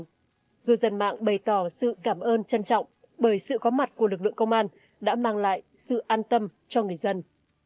nhưng dân mạng bày tỏ sự cảm ơn trân trọng bởi sự có mặt của lực lượng công an đã mang lại sự an tâm cho người dân